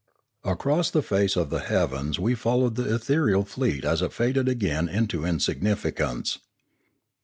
Across the face of the heaven we followed the ethereal fleet as it faded again into insignificance.